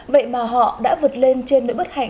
vậy mà họ đã vượt lên trên nỗi bất hạnh